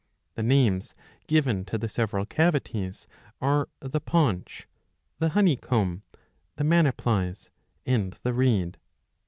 The names given to the several cavities are the paunch, the honey comb, the manyplies and the reed.